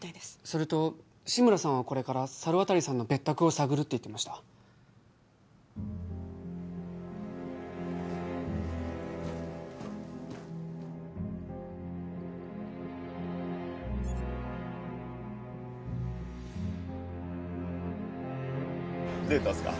それと志村さんはこれから猿渡さんの別宅を探るって言ってましたデートっすか？